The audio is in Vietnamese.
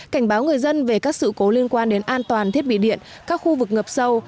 cảnh báo người dân về các sự cố liên quan đến an toàn thiết bị điện các khu vực ngập sâu